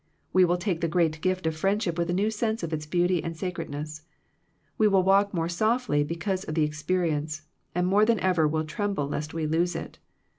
We will take the great gift of friendship with a new sense of its beauty and sa credness. We will walk more spftly be cause of the experience, and more than ever will tremble lest we lose it.